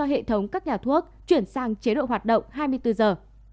hệ thống các nhà thuốc chuyển sang chế độ hoạt động hai mươi bốn giờ